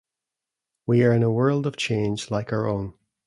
We are in a world of change like our own.